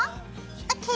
ＯＫ！